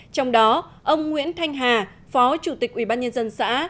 trong đó ông nguyễn thanh hà phó chủ tịch ubnd xã